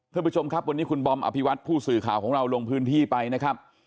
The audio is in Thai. ท่านผู้ชมครับวันนี้คุณบอมอภิวัตผู้สื่อข่าวของเราลงพื้นที่ไปนะครับ